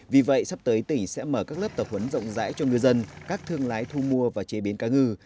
vì vậy sắp tới tỉnh sẽ mở các lớp tập huấn rộng rãi cho ngư dân các thương lái thu mua và chế biến cá ngừ